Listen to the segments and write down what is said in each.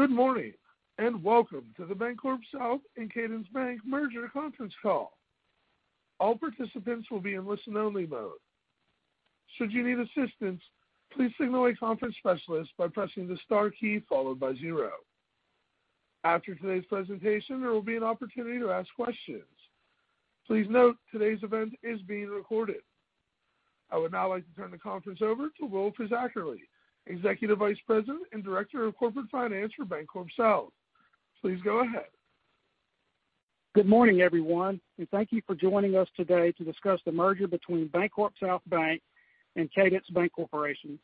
Good morning, and welcome to the BancorpSouth and Cadence Bank merger conference call. All participants will be in listen only mode. Should you need assistance, please signal a conference specialist by pressing the star key followed by zero. After today's presentation, there will be an opportunity to ask questions. Please note today's event is being recorded. I would now like to turn the conference over to Will Fisackerly, Executive Vice President and Director of Corporate Finance for BancorpSouth. Please go ahead. Good morning, everyone. Thank you for joining us today to discuss the merger between BancorpSouth Bank and Cadence Bancorporation.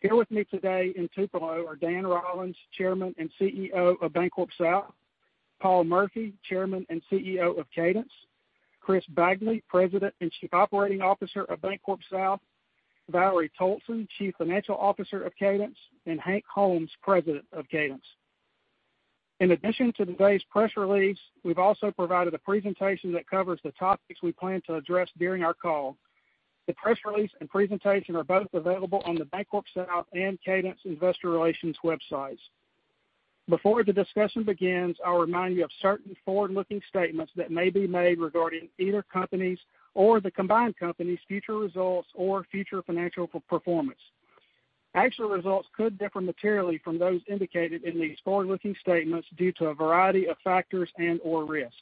Here with me today in Tupelo are Dan Rollins, Chairman and CEO of BancorpSouth, Paul Murphy, Chairman and CEO of Cadence, Chris Bagley, President and Chief Operating Officer of BancorpSouth, Valerie Toalson, Chief Financial Officer of Cadence, and Hank Holmes, President of Cadence. In addition to today's press release, we've also provided a presentation that covers the topics we plan to address during our call. The press release and presentation are both available on the BancorpSouth and Cadence investor relations websites. Before the discussion begins, I'll remind you of certain forward-looking statements that may be made regarding either company's or the combined company's future results or future financial performance. Actual results could differ materially from those indicated in these forward-looking statements due to a variety of factors and/or risks.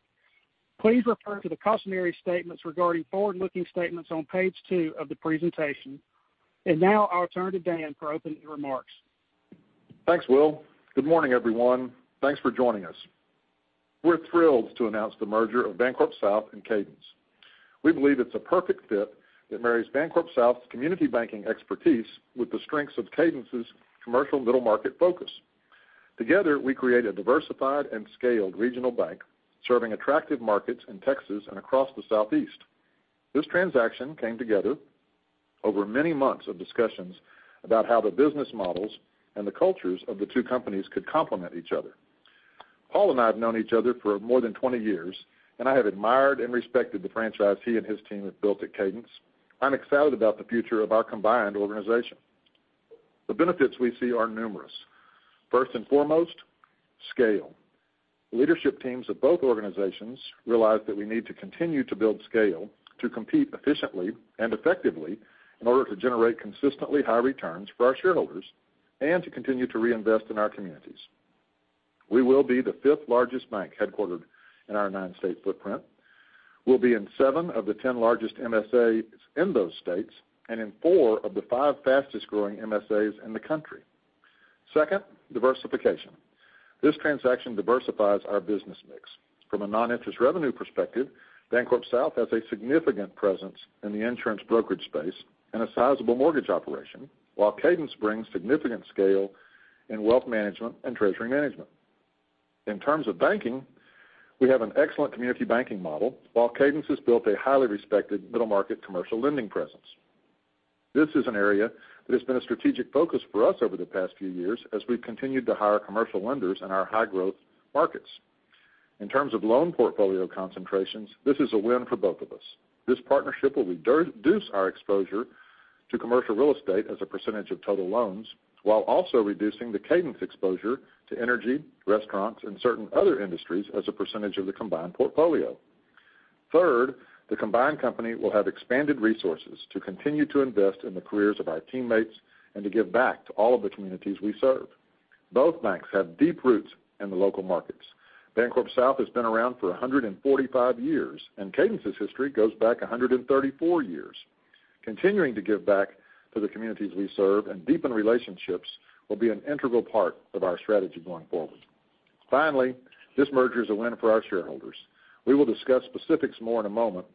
Please refer to the customary statements regarding forward-looking statements on page two of the presentation. Now I'll turn to Dan for opening remarks. Thanks, Will. Good morning, everyone. Thanks for joining us. We're thrilled to announce the merger of BancorpSouth and Cadence. We believe it's a perfect fit that marries BancorpSouth's community banking expertise with the strengths of Cadence's commercial middle market focus. Together, we create a diversified and scaled regional bank serving attractive markets in Texas and across the Southeast. This transaction came together over many months of discussions about how the business models and the cultures of the two companies could complement each other. Paul and I have known each other for more than 20 years, and I have admired and respected the franchise he and his team have built at Cadence. I'm excited about the future of our combined organization. The benefits we see are numerous. First and foremost, scale. Leadership teams of both organizations realize that we need to continue to build scale to compete efficiently and effectively in order to generate consistently high returns for our shareholders and to continue to reinvest in our communities. We will be the fifth largest bank headquartered in our nine-state footprint. We'll be in seven of the 10 largest MSAs in those states and in four of the five fastest-growing MSAs in the country. Second, diversification. This transaction diversifies our business mix. From a non-interest revenue perspective, BancorpSouth has a significant presence in the insurance brokerage space and a sizable mortgage operation, while Cadence brings significant scale in wealth management and treasury management. In terms of banking, we have an excellent community banking model, while Cadence has built a highly respected middle market commercial lending presence. This is an area that has been a strategic focus for us over the past few years as we've continued to hire commercial lenders in our high-growth markets. In terms of loan portfolio concentrations, this is a win for both of us. This partnership will reduce our exposure to commercial real estate as a percentage of total loans, while also reducing the Cadence exposure to energy, restaurants, and certain other industries as a percentage of the combined portfolio. Third, the combined company will have expanded resources to continue to invest in the careers of our teammates and to give back to all of the communities we serve. Both banks have deep roots in the local markets. BancorpSouth has been around for 145 years, and Cadence's history goes back 134 years. Continuing to give back to the communities we serve and deepen relationships will be an integral part of our strategy going forward. Finally, this merger is a win for our shareholders. We will discuss specifics more in a moment,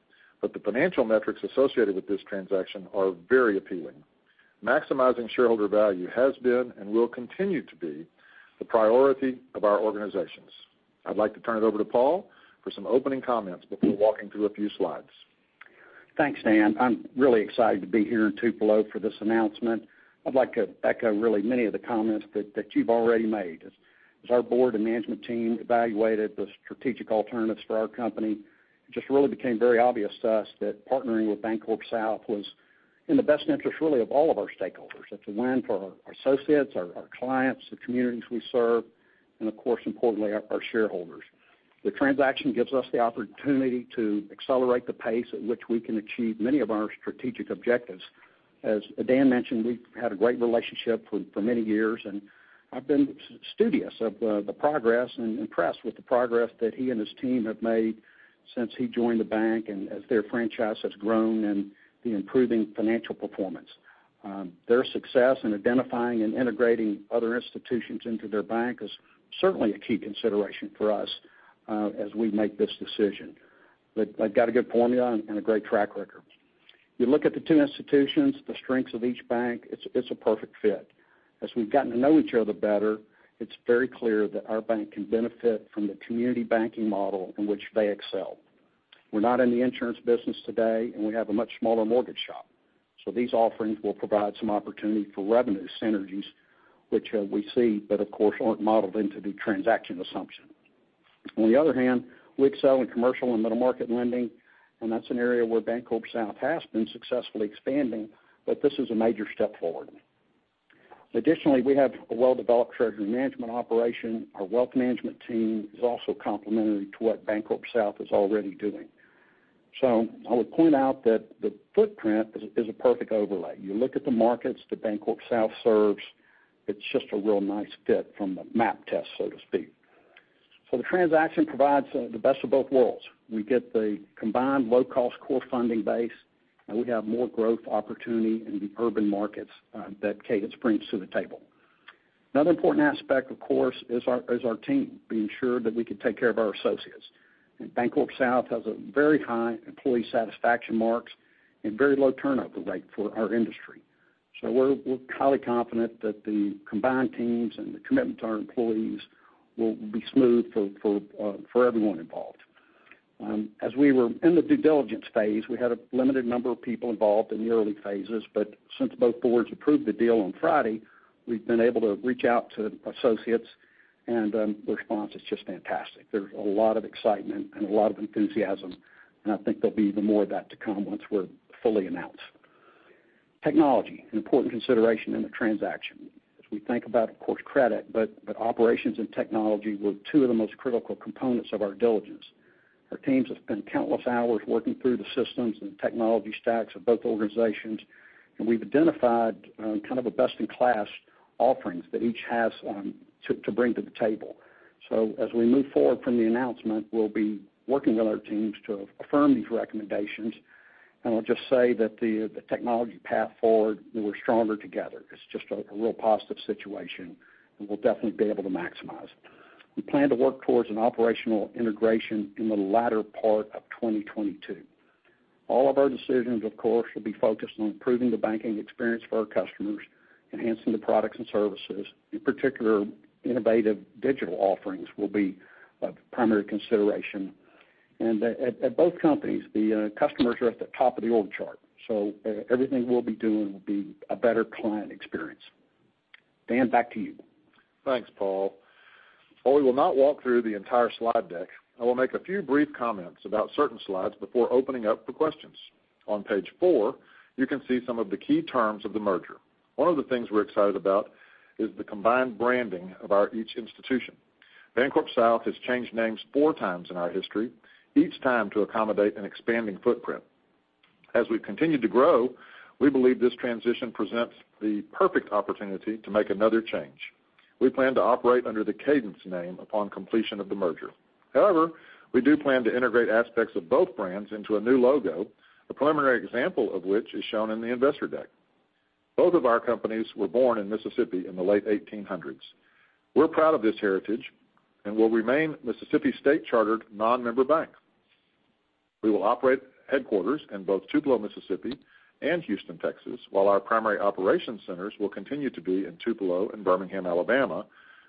but the financial metrics associated with this transaction are very appealing. Maximizing shareholder value has been and will continue to be the priority of our organizations. I'd like to turn it over to Paul for some opening comments before walking through a few slides. Thanks, Dan. I'm really excited to be here in Tupelo for this announcement. I'd like to echo really many of the comments that you've already made. As our board and management team evaluated the strategic alternatives for our company, it just really became very obvious to us that partnering with BancorpSouth was in the best interest, really, of all of our stakeholders. It's a win for our associates, our clients, the communities we serve, and of course, importantly, our shareholders. The transaction gives us the opportunity to accelerate the pace at which we can achieve many of our strategic objectives. As Dan mentioned, we've had a great relationship for many years, and I've been studious of the progress and impressed with the progress that he and his team have made since he joined the bank and as their franchise has grown and the improving financial performance. Their success in identifying and integrating other institutions into their bank is certainly a key consideration for us as we make this decision. They've got a good formula and a great track record. You look at the two institutions, the strengths of each bank, it's a perfect fit. As we've gotten to know each other better, it's very clear that our bank can benefit from the community banking model in which they excel. We're not in the insurance business today, and we have a much smaller mortgage shop. These offerings will provide some opportunity for revenue synergies, which we see, but of course, aren't modeled into the transaction assumption. We excel in commercial and middle-market lending, and that's an area where BancorpSouth has been successfully expanding, but this is a major step forward. We have a well-developed treasury management operation. Our wealth management team is also complementary to what BancorpSouth is already doing. I would point out that the footprint is a perfect overlay. You look at the markets that BancorpSouth serves, it's just a real nice fit from the map test, so to speak. The transaction provides the best of both worlds. We get the combined low-cost core funding base, and we have more growth opportunity in the urban markets that Cadence brings to the table. Another important aspect, of course, is our team, being sure that we can take care of our associates. BancorpSouth has very high employee satisfaction marks and very low turnover rate for our industry. We're highly confident that the combined teams and the commitment to our employees will be smooth for everyone involved. As we were in the due diligence phase, we had a limited number of people involved in the early phases, but since both boards approved the deal on Friday, we've been able to reach out to associates, and the response is just fantastic. There's a lot of excitement and a lot of enthusiasm, and I think there'll be even more of that to come once we're fully announced. Technology, an important consideration in the transaction. As we think about, of course, credit, but operations and technology were two of the most critical components of our diligence. Our teams have spent countless hours working through the systems and technology stacks of both organizations, and we've identified kind of a best-in-class offerings that each has to bring to the table. As we move forward from the announcement, we'll be working with our teams to affirm these recommendations. I'll just say that the technology path forward, we're stronger together. It's just a real positive situation and we'll definitely be able to maximize it. We plan to work towards an operational integration in the latter part of 2022. All of our decisions, of course, will be focused on improving the banking experience for our customers, enhancing the products and services. In particular, innovative digital offerings will be a primary consideration. At both companies, the customers are at the top of the org chart, so everything we'll be doing will be a better client experience. Dan, back to you. Thanks, Paul. While we will not walk through the entire slide deck, I will make a few brief comments about certain slides before opening up for questions. On page four, you can see some of the key terms of the merger. One of the things we're excited about is the combined branding of our each institution. BancorpSouth has changed names four times in our history, each time to accommodate an expanding footprint. As we continue to grow, we believe this transition presents the perfect opportunity to make another change. We plan to operate under the Cadence name upon completion of the merger. However, we do plan to integrate aspects of both brands into a new logo, a preliminary example of which is shown in the investor deck. Both of our companies were born in Mississippi in the late 1800s. We're proud of this heritage and will remain Mississippi state-chartered non-member banks. We will operate headquarters in both Tupelo, Mississippi and Houston, Texas, while our primary operations centers will continue to be in Tupelo and Birmingham, Alabama,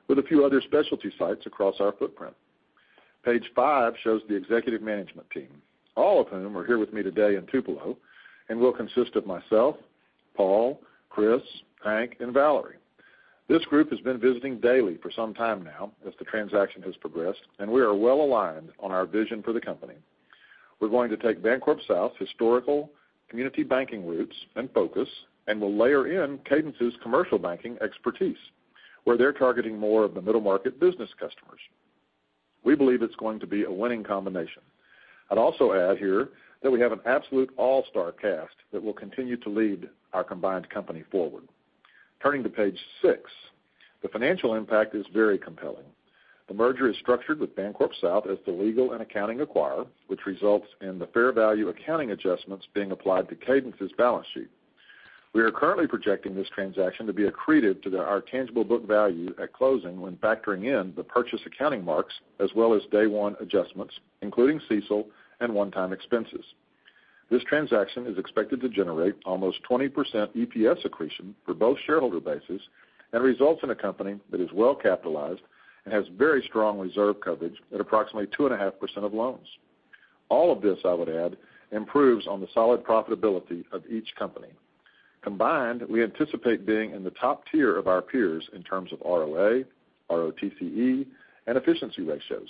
with a few other specialty sites across our footprint. Page five shows the executive management team, all of whom are here with me today in Tupelo and will consist of myself, Paul, Chris, Hank, and Valerie. This group has been visiting daily for some time now as the transaction has progressed, and we are well aligned on our vision for the company. We're going to take BancorpSouth's historical community banking roots and focus and will layer in Cadence's commercial banking expertise, where they're targeting more of the middle-market business customers. We believe it's going to be a winning combination. I'd also add here that we have an absolute all-star cast that will continue to lead our combined company forward. Turning to page six, the financial impact is very compelling. The merger is structured with BancorpSouth as the legal and accounting acquirer, which results in the fair value accounting adjustments being applied to Cadence's balance sheet. We are currently projecting this transaction to be accretive to our tangible book value at closing when factoring in the purchase accounting marks as well as day one adjustments, including CECL and one-time expenses. This transaction is expected to generate almost 20% EPS accretion for both shareholder bases and results in a company that is well capitalized and has very strong reserve coverage at approximately 2.5% of loans. All of this, I would add, improves on the solid profitability of each company. Combined, we anticipate being in the top tier of our peers in terms of ROA, ROTCE, and efficiency ratios.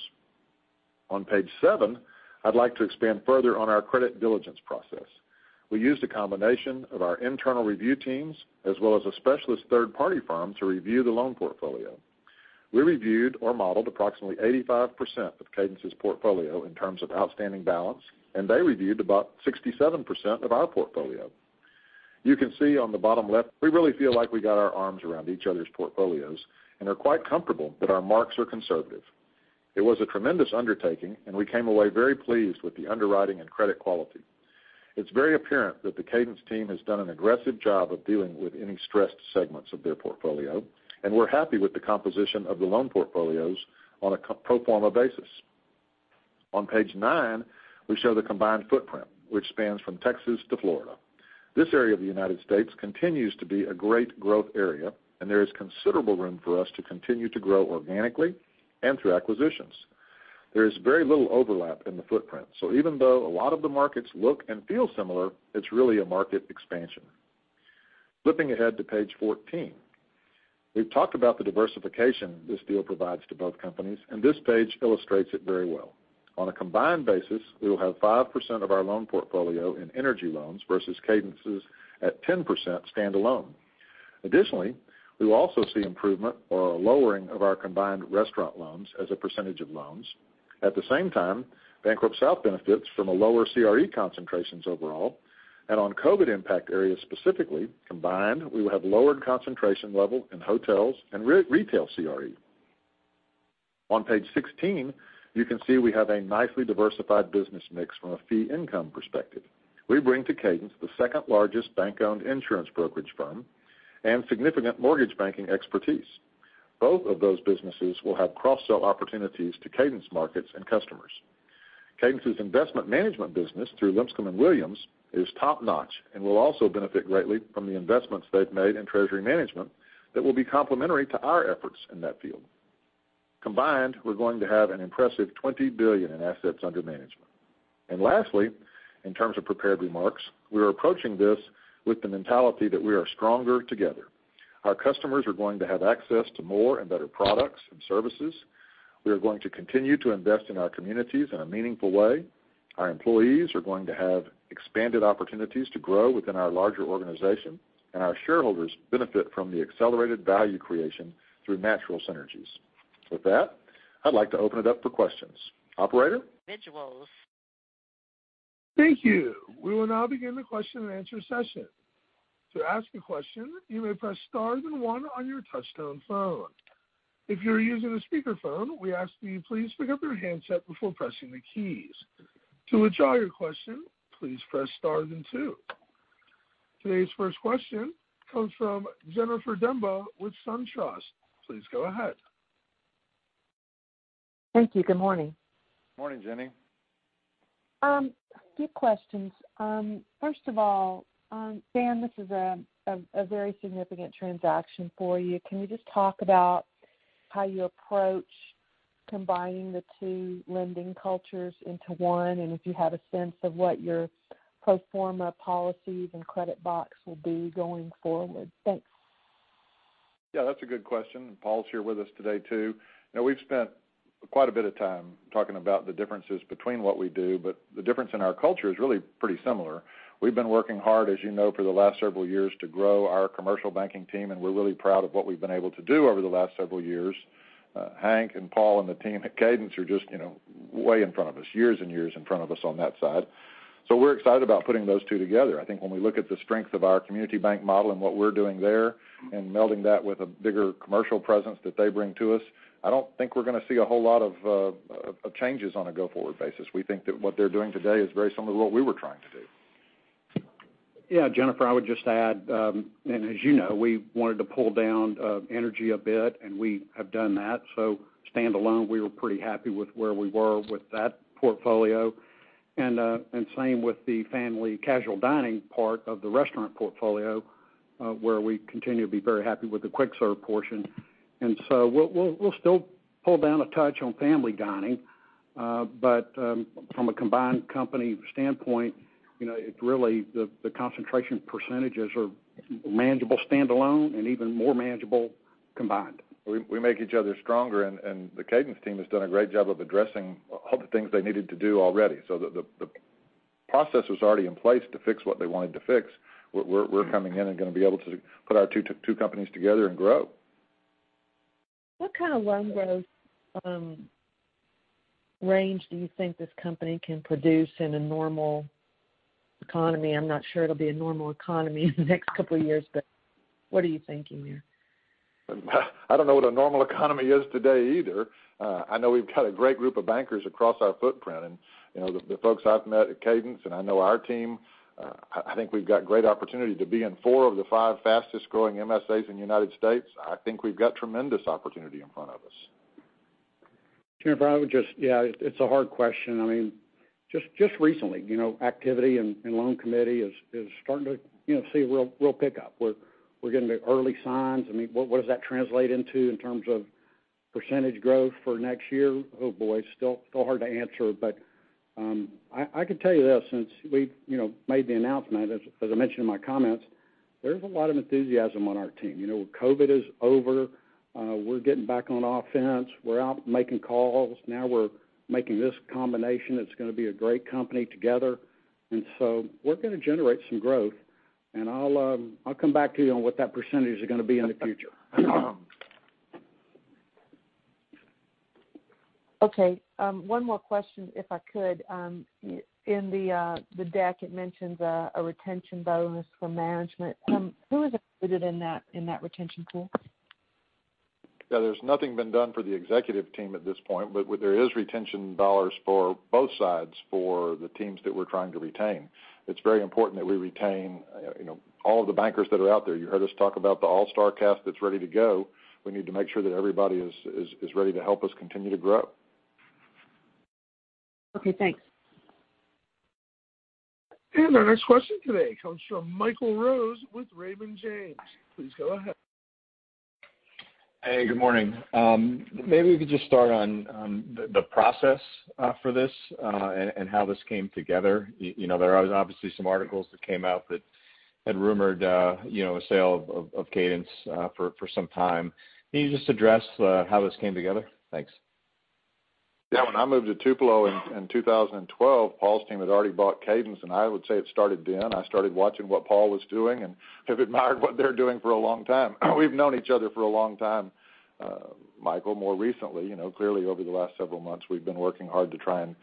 On page seven, I'd like to expand further on our credit diligence process. We used a combination of our internal review teams as well as a specialist third-party firm to review the loan portfolio. We reviewed or modeled approximately 85% of Cadence's portfolio in terms of outstanding balance, and they reviewed about 67% of our portfolio. You can see on the bottom left, we really feel like we got our arms around each other's portfolios and are quite comfortable that our marks are conservative. We came away very pleased with the underwriting and credit quality. It's very apparent that the Cadence team has done an aggressive job of dealing with any stressed segments of their portfolio, and we're happy with the composition of the loan portfolios on a pro forma basis. On page nine, we show the combined footprint, which spans from Texas to Florida. This area of the United States continues to be a great growth area, and there is considerable room for us to continue to grow organically and through acquisitions. There is very little overlap in the footprint, so even though a lot of the markets look and feel similar, it's really a market expansion. Flipping ahead to page 14. We've talked about the diversification this deal provides to both companies, and this page illustrates it very well. On a combined basis, we will have 5% of our loan portfolio in energy loans versus Cadence's at 10% standalone. Additionally, we will also see improvement or a lowering of our combined restaurant loans as a percentage of loans. At the same time, BancorpSouth benefits from a lower CRE concentrations overall. On COVID impact areas specifically, combined, we will have lower concentration level in hotels and retail CRE. On page 16, you can see we have a nicely diversified business mix from a fee income perspective. We bring to Cadence the second-largest bank-owned insurance brokerage firm and significant mortgage banking expertise. Both of those businesses will have cross-sell opportunities to Cadence markets and customers. Cadence's investment management business through Linscomb & Williams is top-notch and will also benefit greatly from the investments they've made in treasury management that will be complementary to our efforts in that field. Combined, we're going to have an impressive $20 billion in assets under management. Lastly, in terms of prepared remarks, we are approaching this with the mentality that we are stronger together. Our customers are going to have access to more and better products and services. We are going to continue to invest in our communities in a meaningful way. Our employees are going to have expanded opportunities to grow within our larger organization, and our shareholders benefit from the accelerated value creation through natural synergies. With that, I'd like to open it up for questions. Operator? Thank you. We will now begin the question and answer session. To ask a question, you may press star then one on your touchtone phone. If you're using a speakerphone, we ask that you please pick up your handset before pressing the keys. To withdraw your question, please press star then two. Today's first question comes from Jennifer Demba with SunTrust. Please go ahead. Thank you. Good morning. Morning, Jenny. Few questions. First of all, Dan, this is a very significant transaction for you. Can you just talk about how you approach combining the two lending cultures into one, and if you have a sense of what your pro forma policies and credit box will be going forward? Thanks. Yeah, that's a good question, and Paul's here with us today, too. We've spent quite a bit of time talking about the differences between what we do, but the difference in our culture is really pretty similar. We've been working hard, as you know, for the last several years to grow our commercial banking team, and we're really proud of what we've been able to do over the last several years. Hank and Paul and the team at Cadence are just way in front of us, years and years in front of us on that side. We're excited about putting those two together. I think when we look at the strength of our community bank model and what we're doing there and melding that with a bigger commercial presence that they bring to us, I don't think we're going to see a whole lot of changes on a go-forward basis. We think that what they're doing today is very similar to what we were trying to do. Yeah, Jennifer, I would just add, as you know, we wanted to pull down energy a bit, we have done that. Standalone, we were pretty happy with where we were with that portfolio. Same with the family casual dining part of the restaurant portfolio, where we continue to be very happy with the quick serve portion. We'll still pull down a touch on family dining. From a combined company standpoint, it's really the concentration percentages are manageable standalone and even more manageable combined. We make each other stronger. The Cadence team has done a great job of addressing all the things they needed to do already. The process was already in place to fix what they wanted to fix. We're coming in and going to be able to put our two companies together and grow. What kind of loan growth range do you think this company can produce in a normal economy? I'm not sure it'll be a normal economy in the next couple of years, but what are you thinking there? I don't know what a normal economy is today either. I know we've got a great group of bankers across our footprint, and the folks I've met at Cadence, and I know our team, I think we've got great opportunity to be in four of the five fastest-growing MSAs in the U.S. I think we've got tremendous opportunity in front of us. Jennifer, it's a hard question. Just recently, activity in loan committee is starting to see a real pickup, where we're getting the early signs. What does that translate into in terms of percentage growth for next year? Oh, boy. Still hard to answer. I could tell you this, since we've made the announcement, as I mentioned in my comments, there's a lot of enthusiasm on our team. COVID is over. We're getting back on offense. We're out making calls. Now we're making this combination. It's going to be a great company together. We're going to generate some growth. I'll come back to you on what that percentage is going to be in the future. Okay. One more question, if I could. In the deck, it mentions a retention bonus for management. Who is included in that retention pool? Yeah, there's nothing been done for the executive team at this point, but there is retention dollars for both sides for the teams that we're trying to retain. It's very important that we retain all of the bankers that are out there. You heard us talk about the all-star cast that's ready to go. We need to make sure that everybody is ready to help us continue to grow. Okay, thanks. Our next question today comes from Michael Rose with Raymond James. Please go ahead. Hey, good morning. Maybe we could just start on the process for this, and how this came together. There was obviously some articles that came out that had rumored, a sale of Cadence for some time. Can you just address how this came together? Thanks. When I moved to Tupelo in 2012, Paul's team had already bought Cadence, I would say it started then. I started watching what Paul was doing and have admired what they're doing for a long time. We've known each other for a long time, Michael. More recently, clearly over the last several months, we've been working hard to try and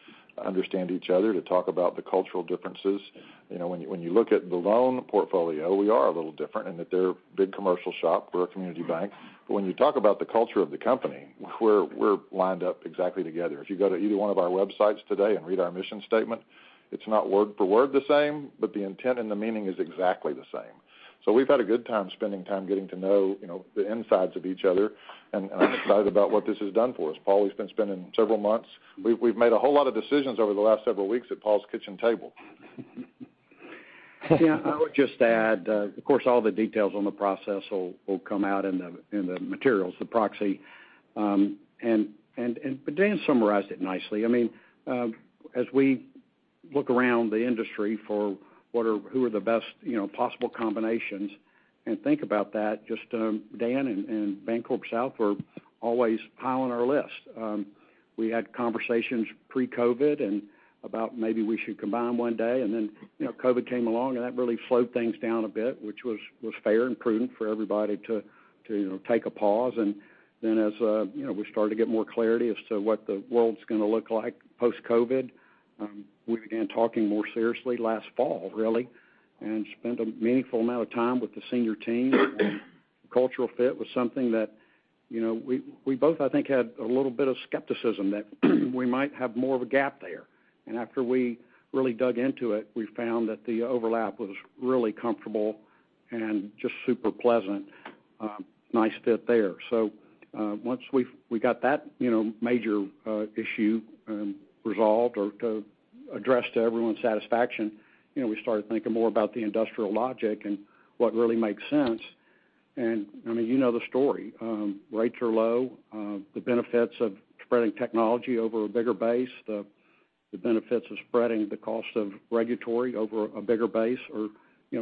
understand each other, to talk about the cultural differences. When you look at the loan portfolio, we are a little different in that they're a big commercial shop, we're a community bank. When you talk about the culture of the company, we're lined up exactly together. If you go to either one of our websites today and read our mission statement, it's not word for word the same, but the intent and the meaning is exactly the same. We've had a good time spending time getting to know the insides of each other, and I'm excited about what this has done for us. Paul, we've been spending several months. We've made a whole lot of decisions over the last several weeks at Paul's kitchen table. I would just add, of course, all the details on the process will come out in the materials, the proxy. Dan summarized it nicely. As we look around the industry for who are the best possible combinations and think about that, just Dan and BancorpSouth were always high on our list. We had conversations pre-COVID about maybe we should combine one day, and then COVID came along, and that really slowed things down a bit, which was fair and prudent for everybody to take a pause. As we started to get more clarity as to what the world's going to look like post-COVID, we began talking more seriously last fall, really, and spent a meaningful amount of time with the senior team. Cultural fit was something that we both, I think, had a little bit of skepticism that we might have more of a gap there. After we really dug into it, we found that the overlap was really comfortable and just super pleasant. Nice fit there. Once we got that major issue resolved or addressed to everyone's satisfaction, we started thinking more about the industrial logic and what really makes sense. You know the story. Rates are low. The benefits of spreading technology over a bigger base, the benefits of spreading the cost of regulatory over a bigger base are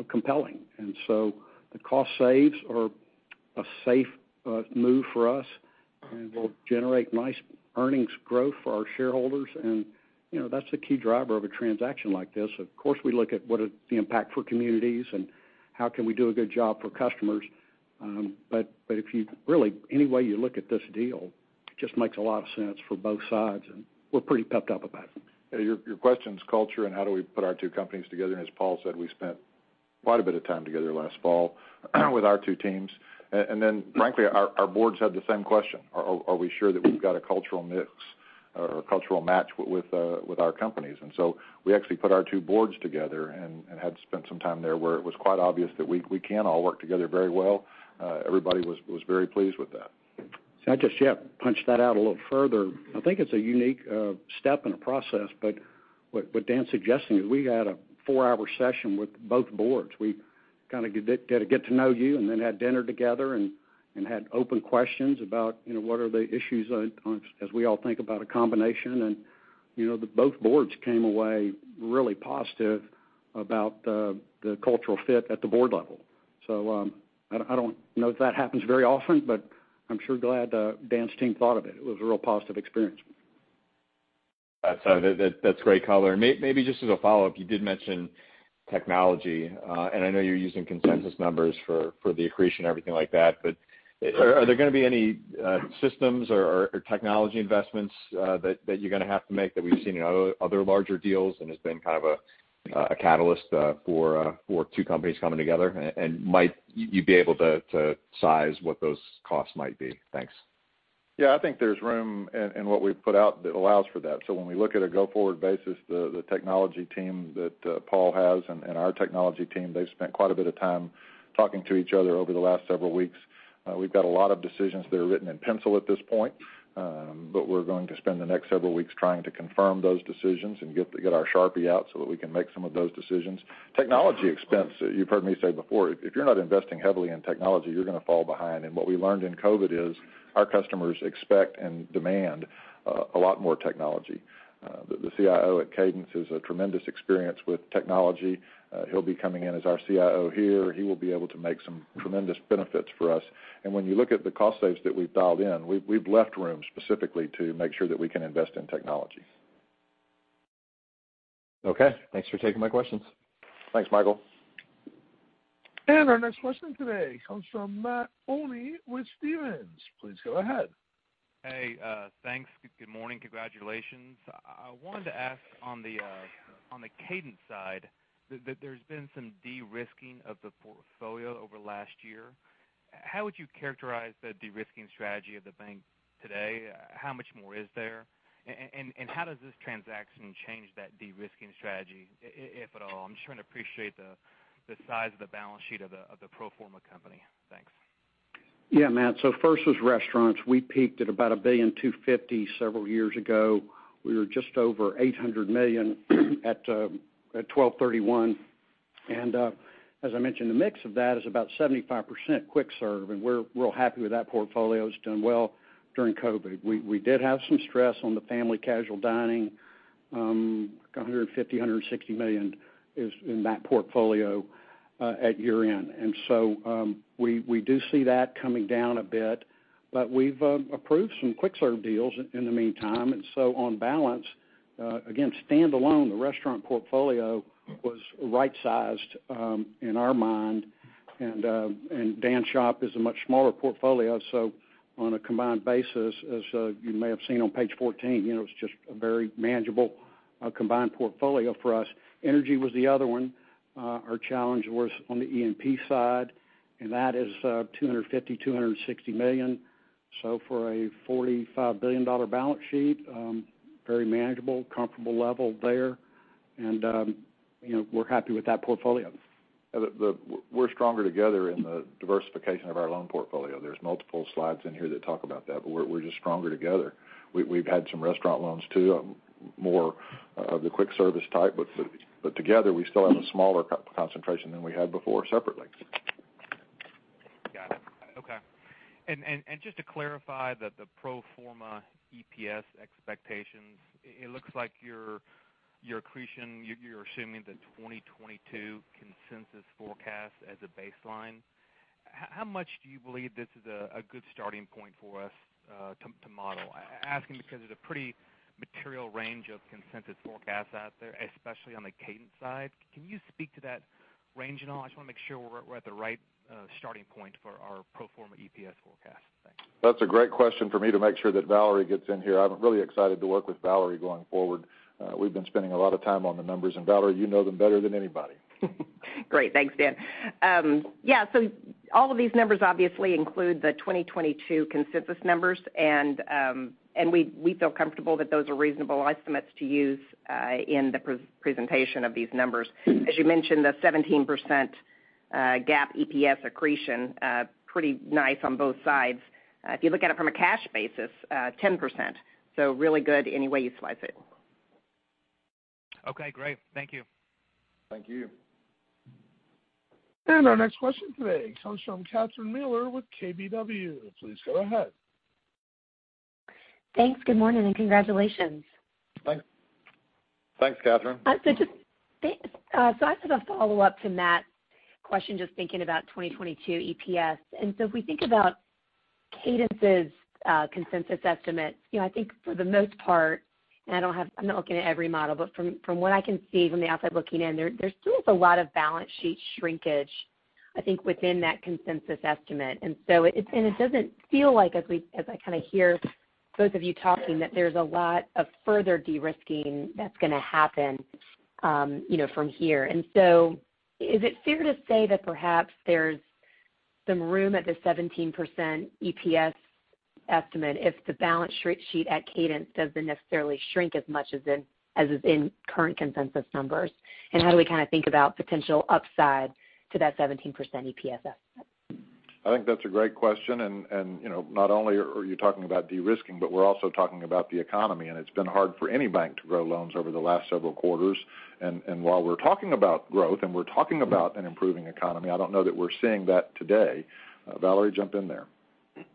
compelling. The cost saves are a safe move for us and will generate nice earnings growth for our shareholders. That's the key driver of a transaction like this. Of course, we look at what is the impact for communities and how can we do a good job for customers. Really, any way you look at this deal, it just makes a lot of sense for both sides, and we're pretty pepped up about it. Your question's culture and how do we put our two companies together, and as Paul said, we spent quite a bit of time together last fall with our two teams. Frankly, our boards had the same question. Are we sure that we've got a cultural mix or a cultural match with our companies? We actually put our two boards together and had spent some time there where it was quite obvious that we can all work together very well. Everybody was very pleased with that. I just, yeah, punch that out a little further. I think it's a unique step in the process, but what Dan's suggesting is we had a four-hour session with both boards. We did a get to know you and then had dinner together and had open questions about what are the issues as we all think about a combination. Both boards came away really positive about the cultural fit at the board level. I don't know if that happens very often, but I'm sure glad Dan's team thought of it. It was a real positive experience. That's great color. Maybe just as a follow-up, you did mention technology. I know you're using consensus numbers for the accretion and everything like that, but are there going to be any systems or technology investments that you're going to have to make that we've seen in other larger deals and has been kind of a catalyst for two companies coming together? Might you be able to size what those costs might be? Thanks. Yeah, I think there's room in what we've put out that allows for that. When we look at a go-forward basis, the technology team that Paul has and our technology team, they've spent quite a bit of time talking to each other over the last several weeks. We've got a lot of decisions that are written in pencil at this point. We're going to spend the next several weeks trying to confirm those decisions and get our Sharpie out so that we can make some of those decisions. Technology expense, you've heard me say before, if you're not investing heavily in technology, you're going to fall behind. What we learned in COVID is our customers expect and demand a lot more technology. The CIO at Cadence has a tremendous experience with technology. He'll be coming in as our CIO here. He will be able to make some tremendous benefits for us. When you look at the cost saves that we've dialed in, we've left room specifically to make sure that we can invest in technology. Okay, thanks for taking my questions. Thanks, Michael. Our next question today comes from Matt Olney with Stephens. Please go ahead. Hey, thanks. Good morning. Congratulations. I wanted to ask on the Cadence side that there's been some de-risking of the portfolio over last year. How would you characterize the de-risking strategy of the bank today? How much more is there? How does this transaction change that de-risking strategy, if at all? I'm just trying to appreciate the size of the balance sheet of the pro forma company. Thanks. Yeah, Matt. First was restaurants. We peaked at about $1.25 billion several years ago. We were just over $800 million at 12/31. As I mentioned, the mix of that is about 75% quick serve, and we're real happy with that portfolio. It's done well during COVID. We did have some stress on the family casual dining. $150 million, $160 million is in that portfolio at year-end. We do see that coming down a bit. We've approved some quick-serve deals in the meantime. On balance, again, standalone, the restaurant portfolio was right-sized, in our mind. Dan's shop is a much smaller portfolio, so on a combined basis, as you may have seen on page 14, it's just a very manageable combined portfolio for us. Energy was the other one. Our challenge was on the E&P side. That is $250 million, $260 million. For a $45 billion balance sheet, very manageable, comfortable level there. We're happy with that portfolio. We're stronger together in the diversification of our loan portfolio. There's multiple slides in here that talk about that, but we're just stronger together. We've had some restaurant loans too, more of the quick service type. Together, we still have a smaller concentration than we had before separately. Got it. Okay. Just to clarify that the pro forma EPS expectations, it looks like your accretion, you're assuming the 2022 consensus forecast as a baseline. How much do you believe this is a good starting point for us to model? Asking because it's a pretty material range of consensus forecasts out there, especially on the Cadence side. Can you speak to that range at all? I just want to make sure we're at the right starting point for our pro forma EPS forecast. Thanks. That's a great question for me to make sure that Valerie gets in here. I'm really excited to work with Valerie going forward. We've been spending a lot of time on the numbers. Valerie, you know them better than anybody. Great. Thanks, Dan. All of these numbers obviously include the 2022 consensus numbers. We feel comfortable that those are reasonable estimates to use in the presentation of these numbers. As you mentioned, the 17% GAAP EPS accretion, pretty nice on both sides. If you look at it from a cash basis, 10%. Really good any way you slice it. Okay, great. Thank you. Thank you. Our next question today comes from Catherine Mealor with KBW. Please go ahead. Thanks. Good morning, and congratulations. Thanks. Thanks, Catherine. I just have a follow-up to Matt's question, just thinking about 2022 EPS. If we think about Cadence's consensus estimates, I think for the most part, and I'm not looking at every model, but from what I can see from the outside looking in, there still is a lot of balance sheet shrinkage, I think, within that consensus estimate. It doesn't feel like, as I hear both of you talking, that there's a lot of further de-risking that's going to happen from here. Is it fair to say that perhaps there's some room at the 17% EPS estimate if the balance sheet at Cadence doesn't necessarily shrink as much as is in current consensus numbers? How do we think about potential upside to that 17% EPS estimate? I think that's a great question. Not only are you talking about de-risking, but we're also talking about the economy, and it's been hard for any bank to grow loans over the last several quarters. While we're talking about growth and we're talking about an improving economy, I don't know that we're seeing that today. Valerie, jump in there.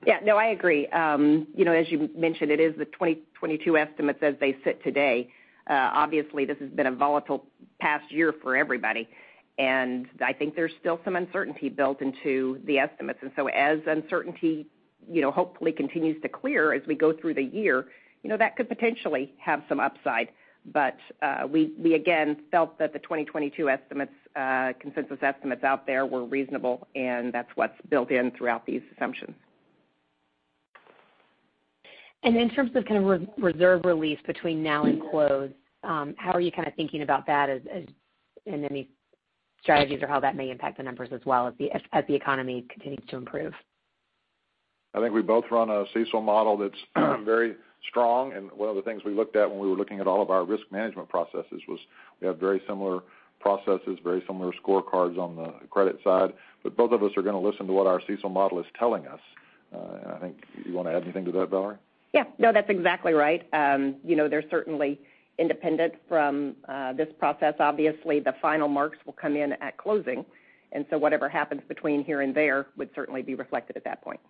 Yeah. No, I agree. As you mentioned, it is the 2022 estimates as they sit today. Obviously, this has been a volatile past year for everybody, and I think there's still some uncertainty built into the estimates. As uncertainty hopefully continues to clear as we go through the year, that could potentially have some upside. We, again, felt that the 2022 consensus estimates out there were reasonable, and that's what's built in throughout these assumptions. In terms of reserve release between now and close, how are you thinking about that as in any strategies or how that may impact the numbers as well as the economy continues to improve? I think we both run a CECL model that's very strong. One of the things we looked at when we were looking at all of our risk management processes was we have very similar processes, very similar scorecards on the credit side. Both of us are going to listen to what our CECL model is telling us. I think, do you want to add anything to that, Valerie? That's exactly right. They're certainly independent from this process. Obviously, the final marks will come in at closing, and so whatever happens between here and there would certainly be reflected at that point.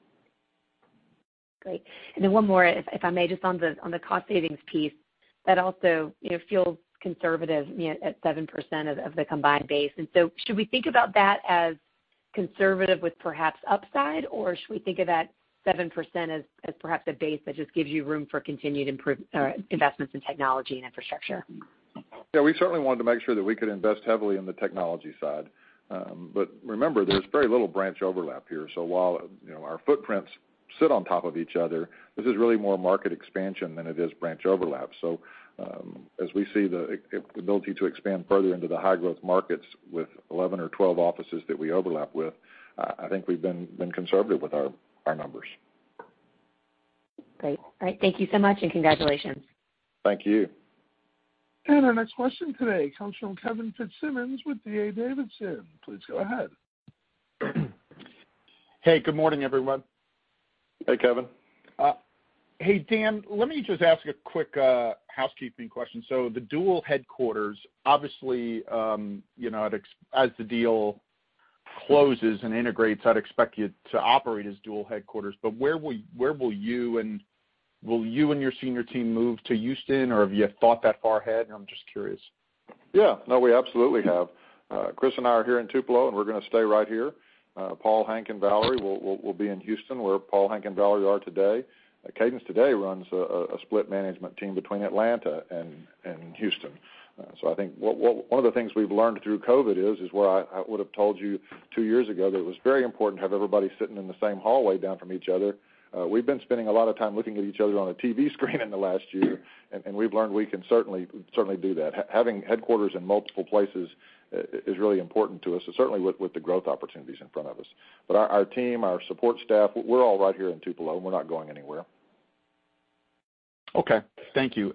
Great. Then one more, if I may, just on the cost savings piece. That also feels conservative at 7% of the combined base. Should we think about that as conservative with perhaps upside, or should we think of that 7% as perhaps a base that just gives you room for continued investments in technology and infrastructure? We certainly wanted to make sure that we could invest heavily in the technology side. Remember, there's very little branch overlap here. While our footprints sit on top of each other, this is really more market expansion than it is branch overlap. As we see the ability to expand further into the high-growth markets with 11 or 12 offices that we overlap with, I think we've been conservative with our numbers. Great. All right. Thank you so much, and congratulations. Thank you. Our next question today comes from Kevin Fitzsimmons with D.A. Davidson. Please go ahead. Hey, good morning, everyone. Hey, Kevin. Hey, Dan, let me just ask a quick housekeeping question. The dual headquarters, obviously, as the deal closes and integrates, I'd expect you to operate as dual headquarters. Where will you and your senior team move to Houston? Or have you thought that far ahead? I'm just curious. No, we absolutely have. Chris and I are here in Tupelo, and we're going to stay right here. Paul, Hank, and Valerie will be in Houston where Paul, Hank and Valerie are today. Cadence today runs a split management team between Atlanta and Houston. I think one of the things we've learned through COVID is where I would've told you two years ago that it was very important to have everybody sitting in the same hallway down from each other, we've been spending a lot of time looking at each other on a TV screen in the last year. We've learned we can certainly do that. Having headquarters in multiple places is really important to us, certainly with the growth opportunities in front of us. Our team, our support staff, we're all right here in Tupelo, and we're not going anywhere. Okay. Thank you.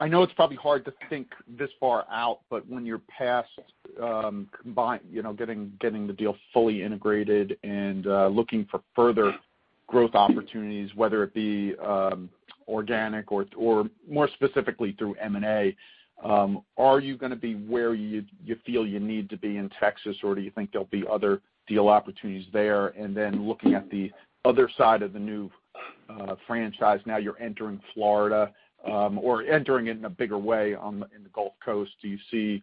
I know it's probably hard to think this far out, but when you're past getting the deal fully integrated and looking for further growth opportunities, whether it be organic or more specifically through M&A, are you going to be where you feel you need to be in Texas, or do you think there'll be other deal opportunities there? Looking at the other side of the new franchise, now you're entering Florida, or entering it in a bigger way in the Gulf Coast. Do you see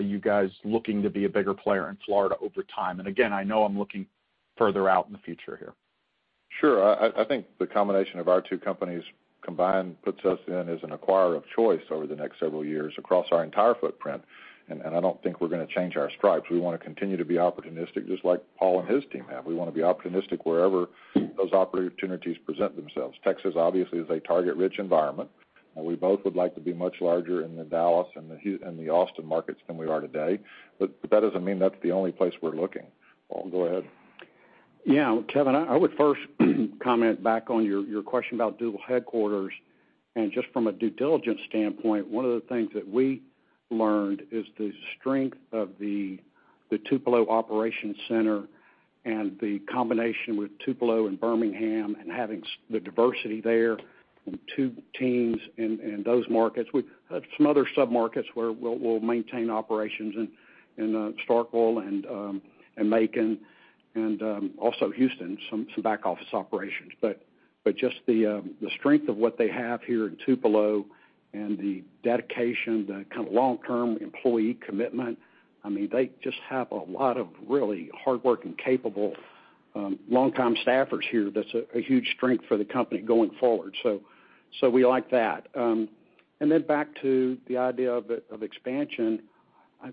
you guys looking to be a bigger player in Florida over time? Again, I know I'm looking further out in the future here. Sure. I think the combination of our two companies combined puts us in as an acquirer of choice over the next several years across our entire footprint, and I don't think we're going to change our stripes. We want to continue to be opportunistic just like Paul and his team have. We want to be opportunistic wherever those opportunities present themselves. Texas obviously is a target-rich environment, and we both would like to be much larger in the Dallas and the Austin markets than we are today. That doesn't mean that's the only place we're looking. Paul, go ahead. Yeah. Kevin, I would first comment back on your question about dual headquarters. Just from a due diligence standpoint, one of the things that we learned is the strength of the Tupelo operations center and the combination with Tupelo and Birmingham and having the diversity there from two teams in those markets. We have some other sub-markets where we'll maintain operations in Starkville and Macon and also Houston, some back-office operations. Just the strength of what they have here in Tupelo and the dedication, the kind of long-term employee commitment, they just have a lot of really hardworking, capable, long-time staffers here that's a huge strength for the company going forward. We like that. Then back to the idea of expansion, I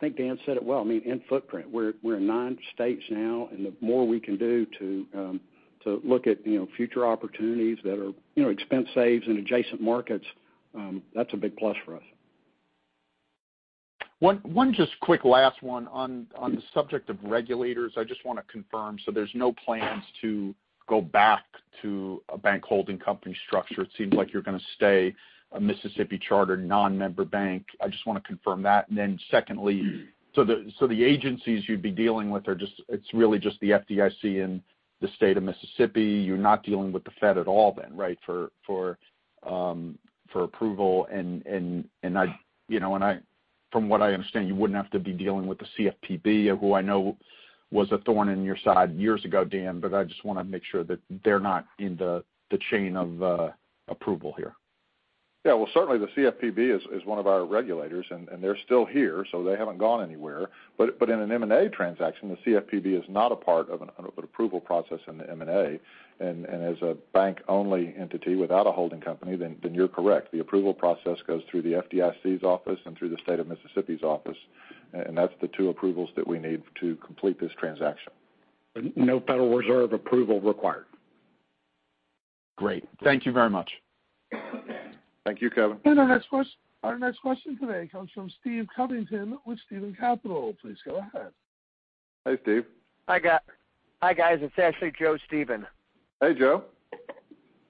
think Dan said it well. In footprint, we're in nine states now, and the more we can do to look at future opportunities that are expense saves in adjacent markets, that's a big plus for us. One just quick last one. On the subject of regulators, I just want to confirm, there's no plans to go back to a bank holding company structure. It seems like you're going to stay a Mississippi-chartered non-member bank. I just want to confirm that. Secondly, the agencies you'd be dealing with, it's really just the FDIC and the State of Mississippi. You're not dealing with the Fed at all then, right? For approval from what I understand, you wouldn't have to be dealing with the CFPB, who I know was a thorn in your side years ago, Dan, I just want to make sure that they're not in the chain of approval here. Well, certainly the CFPB is one of our regulators. They're still here. They haven't gone anywhere. In an M&A transaction, the CFPB is not a part of an approval process in the M&A. As a bank-only entity without a holding company, you're correct. The approval process goes through the FDIC's office and through the State of Mississippi's office. That's the two approvals that we need to complete this transaction. No Federal Reserve approval required. Great. Thank you very much. Thank you, Kevin. Our next question today comes from Steve Covington with Stieven Capital. Please go ahead. Hey, Steve. Hi, guys. It's actually Joe Stephen. Hey, Joe.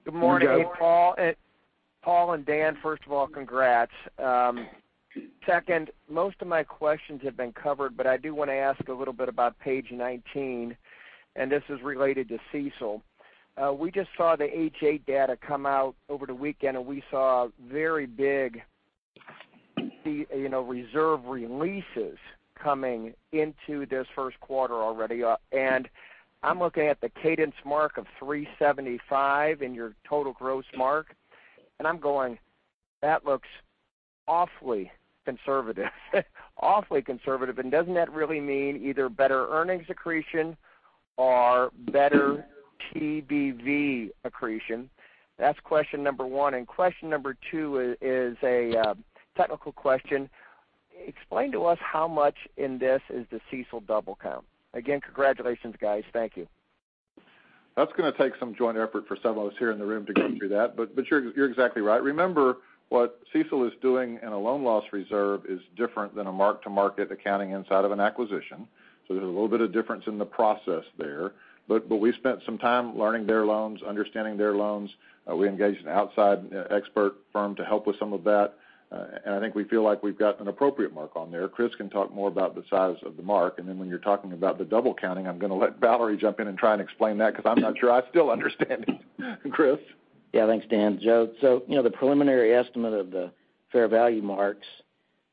Good morning. Hey, Joe. Paul and Dan, first of all, congrats. Second, most of my questions have been covered, but I do want to ask a little bit about page 19, and this is related to CECL. We just saw the H.8 data come out over the weekend, and we saw very big reserve releases coming into this first quarter already. I'm looking at the Cadence mark of 375 in your total gross mark, and I'm going, "That looks awfully conservative." Awfully conservative, and doesn't that really mean either better earnings accretion or better TBV accretion? That's question number one. Question number two is a technical question. Explain to us how much in this is the CECL double count. Again, congratulations, guys. Thank you. That's going to take some joint effort for some of us here in the room to go through that, but you're exactly right. Remember what CECL is doing in a loan loss reserve is different than a mark-to-market accounting inside of an acquisition. There's a little bit of difference in the process there. We spent some time learning their loans, understanding their loans. We engaged an outside expert firm to help with some of that. I think we feel like we've got an appropriate mark on there. Chris can talk more about the size of the mark. When you're talking about the double counting, I'm going to let Valerie jump in and try and explain that because I'm not sure I still understand it. Chris? Yeah. Thanks, Dan. Joe, the preliminary estimate of the fair value marks,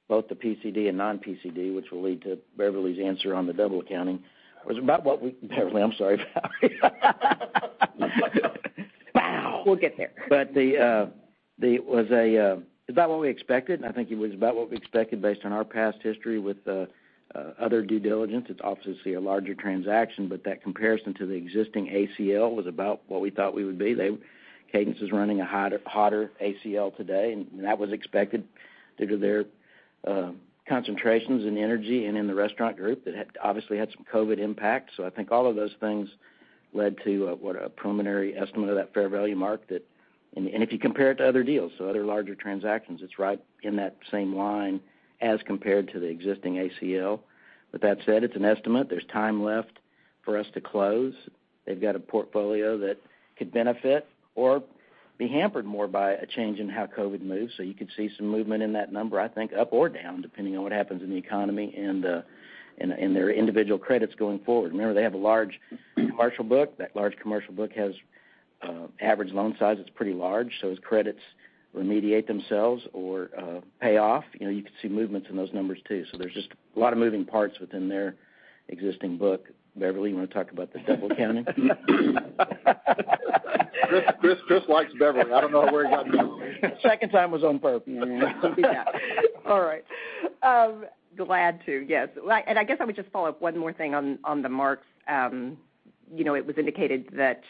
both the PCD and non-PCD, which will lead to Valerie's answer on the double counting, was about what we, I'm sorry, Valerie. We'll get there. It was about what we expected, and I think it was about what we expected based on our past history with other due diligence. It's obviously a larger transaction, but that comparison to the existing ACL was about what we thought we would be. Cadence is running a hotter ACL today, and that was expected due to their concentrations in energy and in the restaurant group that obviously had some COVID impact. I think all of those things led to what a preliminary estimate of that fair value mark that, and if you compare it to other deals, so other larger transactions, it's right in that same line as compared to the existing ACL. With that said, it's an estimate. There's time left for us to close. They've got a portfolio that could benefit or be hampered more by a change in how COVID moves. You could see some movement in that number, I think, up or down, depending on what happens in the economy and their individual credits going forward. Remember, they have a large commercial book. That large commercial book has average loan size that's pretty large. As credits remediate themselves or pay off, you could see movements in those numbers, too. There's just a lot of moving parts within their existing book. Valerie, you want to talk about the double counting? Chris likes Valerie. I don't know where he got that. Second time was on purpose. Yeah. All right. Glad to. Yes. I guess I would just follow up one more thing on the marks. It was indicated that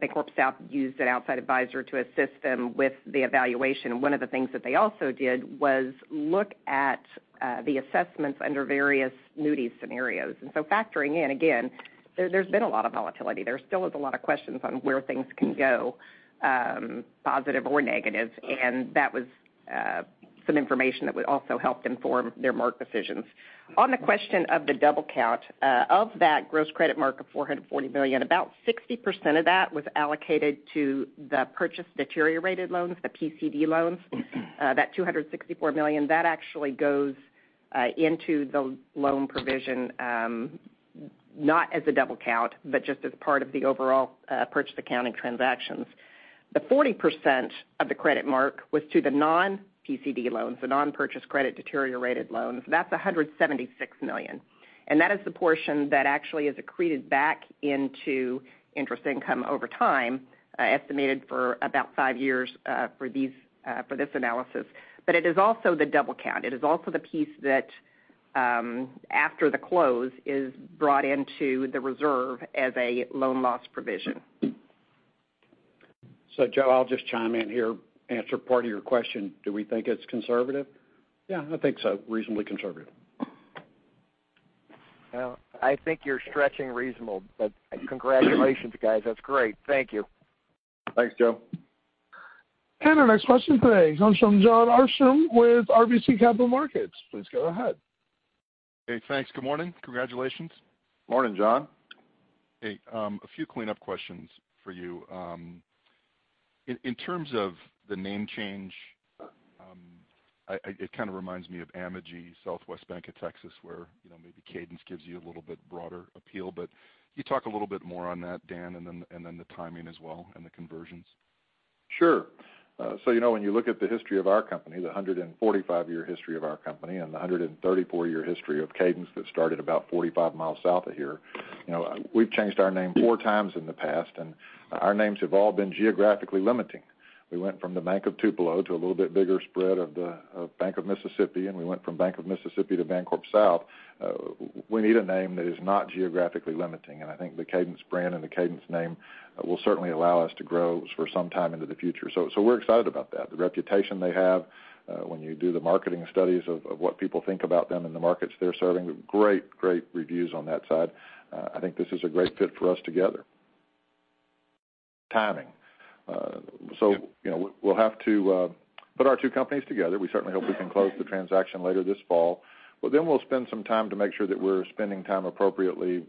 BancorpSouth used an outside advisor to assist them with the evaluation. One of the things that they also did was look at the assessments under various Moody's scenarios. Factoring in, again, there's been a lot of volatility. There still is a lot of questions on where things can go positive or negative, and that was some information that would also help inform their mark decisions. On the question of the double count, of that gross credit mark of $440 million, about 60% of that was allocated to the purchase deteriorated loans, the PCD loans. That $264 million actually goes into the loan provision, not as a double count, but just as part of the overall purchase accounting transactions. The 40% of the credit mark was to the non-PCD loans, the non-purchase credit deteriorated loans. That's $176 million, and that is the portion that actually is accreted back into interest income over time, estimated for about five years for this analysis. It is also the double count. It is also the piece that, after the close, is brought into the reserve as a loan loss provision. Joe, I'll just chime in here, answer part of your question. Do we think it's conservative? Yeah, I think so. Reasonably conservative. Well, I think you're stretching reasonable, but congratulations, guys. That's great. Thank you. Thanks, Joe. Our next question today comes from Jon Arfstrom with RBC Capital Markets. Please go ahead. Hey, thanks. Good morning. Congratulations. Morning, Jon. Hey. A few cleanup questions for you. In terms of the name change, it kind of reminds me of Amegy, Southwest Bank of Texas, where maybe Cadence gives you a little bit broader appeal. Can you talk a little bit more on that, Dan, and then the timing as well, and the conversions? Sure. When you look at the history of our company, the 145-year history of our company and the 134-year history of Cadence that started about 45 miles south of here, we've changed our name four times in the past, and our names have all been geographically limiting. We went from The Bank of Tupelo to a little bit bigger spread of Bank of Mississippi, and we went from Bank of Mississippi to BancorpSouth. We need a name that is not geographically limiting, and I think the Cadence brand and the Cadence name will certainly allow us to grow for some time into the future. We're excited about that. The reputation they have when you do the marketing studies of what people think about them in the markets they're serving, great reviews on that side. I think this is a great fit for us together. Timing. We'll have to put our two companies together. We certainly hope we can close the transaction later this fall. We'll spend some time to make sure that we're spending time appropriately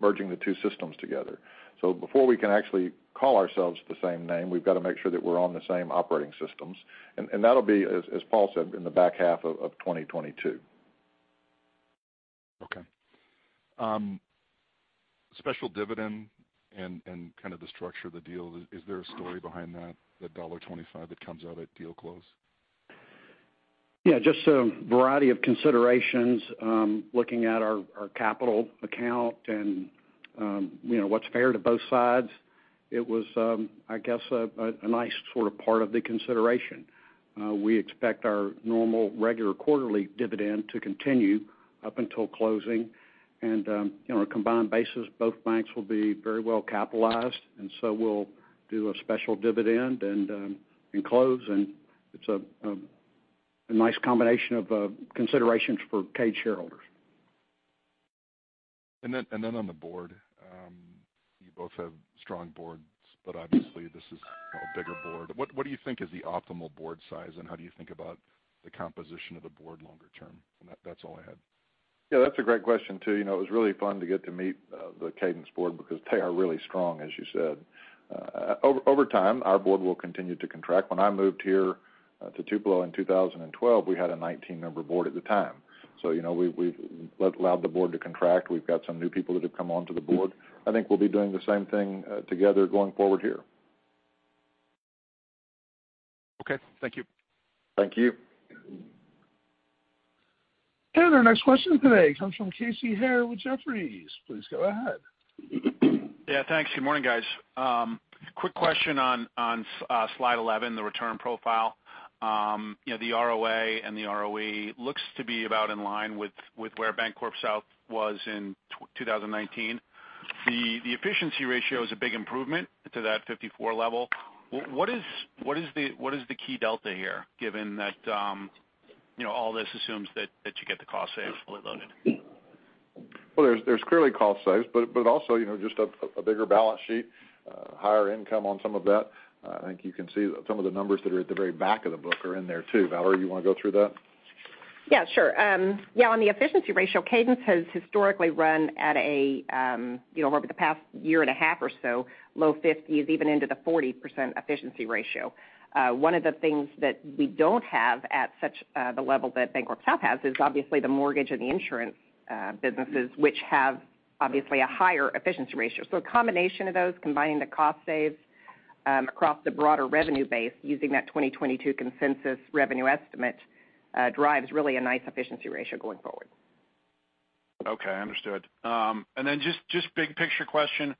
merging the two systems together. Before we can actually call ourselves the same name, we've got to make sure that we're on the same operating systems. That'll be, as Paul said, in the back half of 2022. Okay. Special dividend and kind of the structure of the deal, is there a story behind that, the $1.25 that comes out at deal close? Yeah, just a variety of considerations. Looking at our capital account and what's fair to both sides, it was, I guess, a nice sort of part of the consideration. We expect our normal regular quarterly dividend to continue up until closing. On a combined basis, both banks will be very well capitalized, and so we'll do a special dividend and close, and it's a nice combination of considerations for Cadence shareholders. On the board, you both have strong boards, but obviously this is a bigger board. What do you think is the optimal board size, and how do you think about the composition of the board longer term? That's all I had. Yeah, that's a great question, too. It was really fun to get to meet the Cadence board because they are really strong, as you said. Over time, our board will continue to contract. When I moved here to Tupelo in 2012, we had a 19-member board at the time. We've allowed the board to contract. We've got some new people that have come onto the board. I think we'll be doing the same thing together going forward here. Okay. Thank you. Thank you. Our next question today comes from Casey Haire with Jefferies. Please go ahead. Yeah, thanks. Good morning, guys. Quick question on slide 11, the return profile. The ROA and the ROE looks to be about in line with where BancorpSouth was in 2019. The efficiency ratio is a big improvement to that 54 level. What is the key delta here, given that all this assumes that you get the cost save fully loaded? Well, there's clearly cost saves, but also, just a bigger balance sheet, higher income on some of that. I think you can see that some of the numbers that are at the very back of the book are in there, too. Valerie, you want to go through that? Yeah, sure. Yeah, on the efficiency ratio, Cadence has historically run at a, over the past year and a half or so, low 50s, even into the 40% efficiency ratio. One of the things that we don't have at such the level that BancorpSouth has is obviously the mortgage and the insurance businesses, which have, obviously, a higher efficiency ratio. A combination of those, combining the cost saves across the broader revenue base using that 2022 consensus revenue estimate, drives really a nice efficiency ratio going forward. Okay, understood. Just big picture question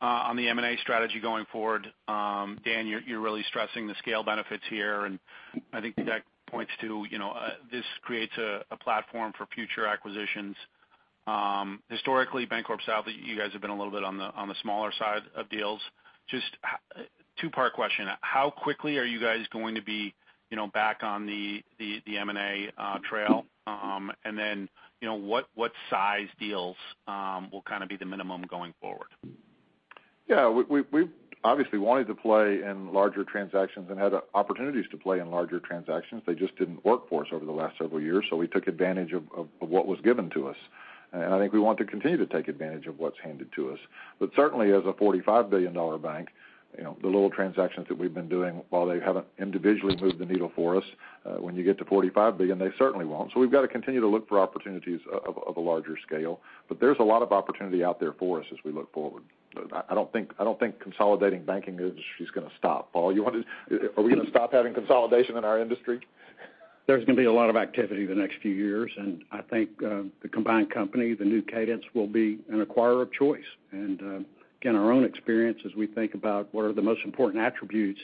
on the M&A strategy going forward. Dan, you're really stressing the scale benefits here, and I think that points to, this creates a platform for future acquisitions. Historically, BancorpSouth, you guys have been a little bit on the smaller side of deals. Just a two-part question. How quickly are you guys going to be back on the M&A trail? What size deals will be the minimum going forward? Yeah. We've obviously wanted to play in larger transactions and had opportunities to play in larger transactions. They just didn't work for us over the last several years. We took advantage of what was given to us. I think we want to continue to take advantage of what's handed to us. Certainly, as a $45 billion bank, the little transactions that we've been doing, while they haven't individually moved the needle for us, when you get to $45 billion, they certainly won't. We've got to continue to look for opportunities of a larger scale. There's a lot of opportunity out there for us as we look forward. I don't think consolidating banking industry is going to stop. Paul, are we going to stop having consolidation in our industry? There's going to be a lot of activity the next few years, and I think the combined company, the new Cadence, will be an acquirer of choice. Again, our own experience as we think about what are the most important attributes,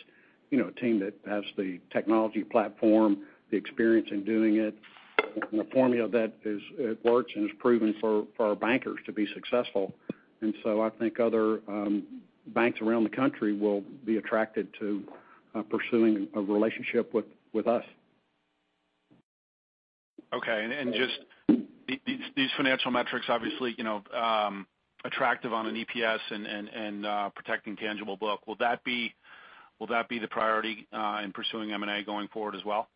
a team that has the technology platform, the experience in doing it, and a formula that works and is proven for our bankers to be successful. I think other banks around the country will be attracted to pursuing a relationship with us. Okay. Just these financial metrics, obviously, attractive on an EPS and protecting tangible book. Will that be the priority in pursuing M&A going forward as well?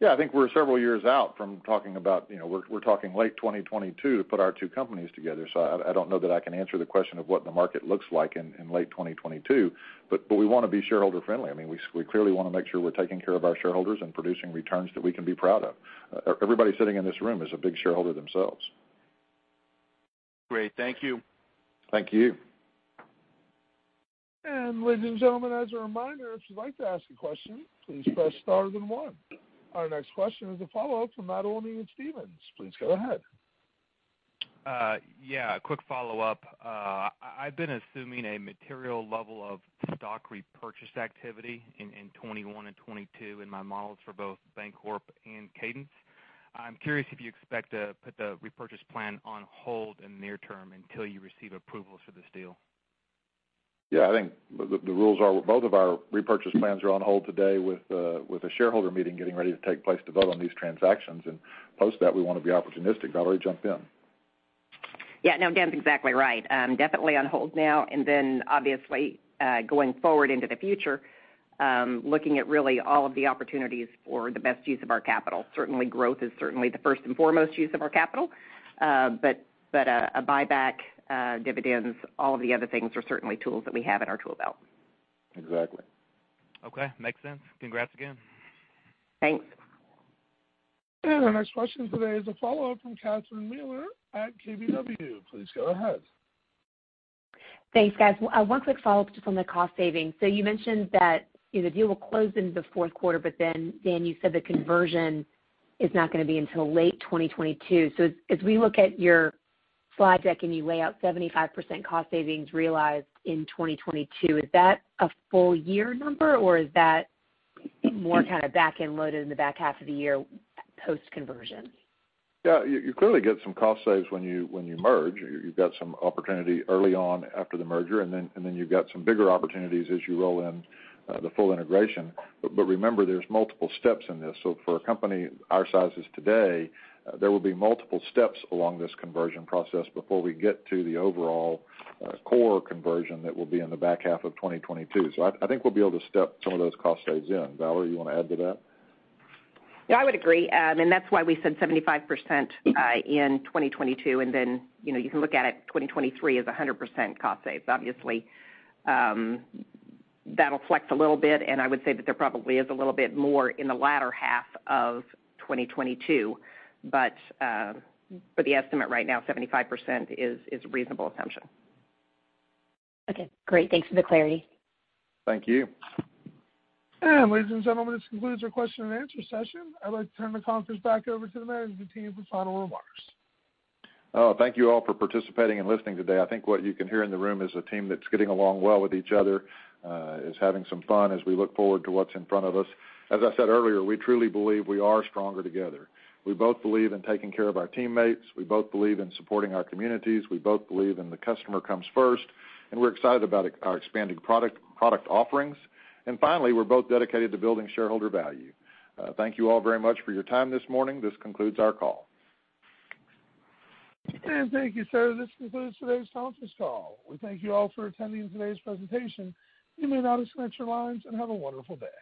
Yeah, I think we're several years out from talking about, we're talking late 2022 to put our two companies together. I don't know that I can answer the question of what the market looks like in late 2022. We want to be shareholder-friendly. We clearly want to make sure we're taking care of our shareholders and producing returns that we can be proud of. Everybody sitting in this room is a big shareholder themselves. Great. Thank you. Thank you. Ladies and gentlemen, as a reminder, if you'd like to ask a question, please press star then one. Our next question is a follow-up from Matt Olney at Stephens. Please go ahead. Yeah, a quick follow-up. I've been assuming a material level of stock repurchase activity in 2021 and 2022 in my models for both Bancorp and Cadence. I'm curious if you expect to put the repurchase plan on hold in the near term until you receive approval for this deal. Yeah, I think the rules are both of our repurchase plans are on hold today with the shareholder meeting getting ready to take place to vote on these transactions. Post that, we want to be opportunistic. Valerie, jump in. Yeah, no, Dan's exactly right. Definitely on hold now. Obviously, going forward into the future, looking at really all of the opportunities for the best use of our capital. Certainly, growth is certainly the first and foremost use of our capital. A buyback, dividends, all of the other things are certainly tools that we have in our tool belt. Exactly. Okay. Makes sense. Congrats again. Thanks. Our next question today is a follow-up from Catherine Mealor at KBW. Please go ahead. Thanks, guys. One quick follow-up just on the cost savings. You mentioned that the deal will close into the fourth quarter. Dan, you said the conversion is not going to be until late 2022. As we look at your slide deck and you lay out 75% cost savings realized in 2022, is that a full year number, or is that more back-end loaded in the back half of the year post-conversion? Yeah. You clearly get some cost saves when you merge. You've got some opportunity early on after the merger, and then you've got some bigger opportunities as you roll in the full integration. Remember, there's multiple steps in this. For a company our size today, there will be multiple steps along this conversion process before we get to the overall core conversion that will be in the back half of 2022. I think we'll be able to step some of those cost saves in. Valerie, you want to add to that? Yeah, I would agree. That's why we said 75% in 2022. You can look at it, 2023 as 100% cost save. Obviously, that'll flex a little bit, and I would say that there probably is a little bit more in the latter half of 2022. The estimate right now, 75%, is a reasonable assumption. Okay, great. Thanks for the clarity. Thank you. Ladies and gentlemen, this concludes our question and answer session. I'd like to turn the conference back over to the management team for final remarks. Oh, thank you all for participating and listening today. I think what you can hear in the room is a team that's getting along well with each other, is having some fun as we look forward to what's in front of us. As I said earlier, we truly believe we are stronger together. We both believe in taking care of our teammates. We both believe in supporting our communities. We both believe in the customer comes first, and we're excited about our expanding product offerings. Finally, we're both dedicated to building shareholder value. Thank you all very much for your time this morning. This concludes our call. Thank you, sir. This concludes today's conference call. We thank you all for attending today's presentation. You may now disconnect your lines, and have a wonderful day.